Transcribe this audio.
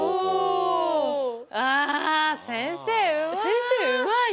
あ先生うまい！